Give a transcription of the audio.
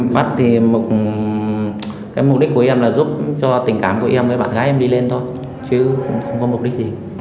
mắt thì cái mục đích của em là giúp cho tình cảm của em với bạn gái em đi lên thôi chứ không có mục đích gì